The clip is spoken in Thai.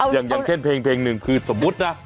อย่างเช่นเพลงหนึ่งคือสมมุตินะ